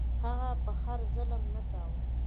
هغه په خر ظلم نه کاوه.